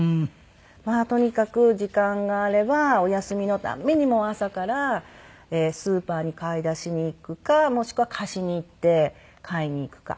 まあとにかく時間があればお休みの度にもう朝からスーパーに買い出しに行くかもしくは河岸に行って買いに行くか。